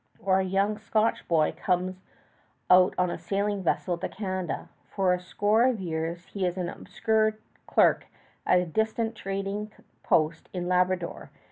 Or a young Scotch boy comes out on a sailing vessel to Canada. For a score of years he is an obscure clerk at a distant trading post in Labrador.